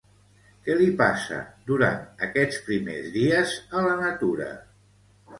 Què li passa, durant aquests primers dies, a la natura?